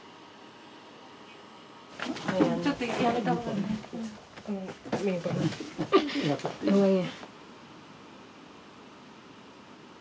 ・ちょっとやめた方がいいなうん。